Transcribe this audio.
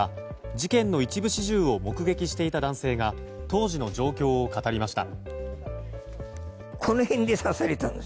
事件の一部始終を目撃していた男性が当時の状況を語りました。